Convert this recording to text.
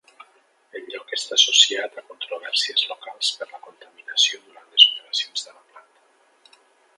El lloc està associat a controvèrsies locals per la contaminació durant les operacions de la planta.